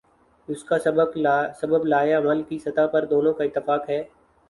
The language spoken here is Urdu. اس کا سبب لائحہ عمل کی سطح پر دونوں کا اتفاق ہے۔